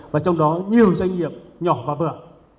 và trong đó nhiều doanh nghiệp nhỏ và vừa